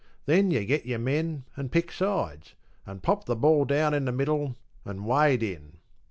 Then you get your men, and pick sides, and pop the ball down in the middle, and wade in.